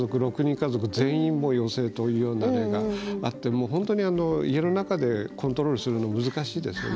家族全員陽性というような例があって、本当に家の中でコントロールするのは難しいですよね。